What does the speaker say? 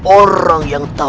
orang yang terkenal